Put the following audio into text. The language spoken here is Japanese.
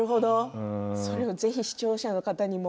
それをぜひ視聴者の方にも。